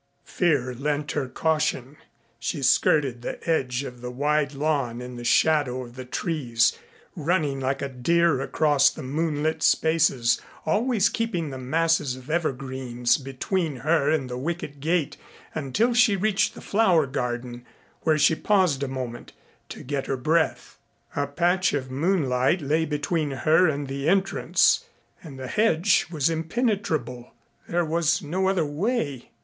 Fear lent her caution. She skirted the edge of the wide lawn in the shadow of the trees, running like a deer across the moonlit spaces, always keeping the masses of evergreens between her and the wicket gate until she reached the flower garden, where she paused a moment to get her breath. A patch of moonlight lay between her and the entrance and the hedge was impenetrable. There was no other way.